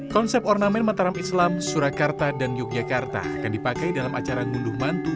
konsep ornamen mataram islam surakarta dan yogyakarta akan dipakai dalam acara ngunduh mantu